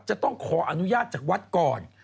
จะต้องขออนุญาตจากวัดก่อน